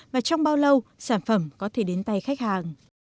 và trong bao lâu sản phẩm có thể đến tay khách hàng